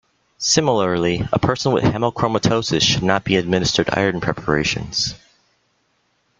Similarly, a person with hemochromatosis should not be administered iron preparations.